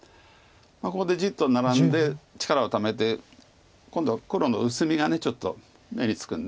ここでじっとナラんで力をためて今度は黒の薄みがちょっと目につくんで。